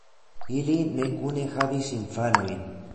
Ili ne kune havis infanojn.